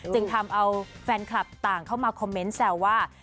ทำเอาแฟนคลับต่างเข้ามาคอมเมนต์แซวว่า